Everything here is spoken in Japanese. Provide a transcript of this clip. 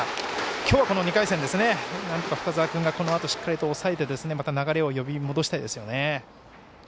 今日は２回戦なんとか深沢君がこのあとしっかり抑えてまた、流れを呼び戻したいですね。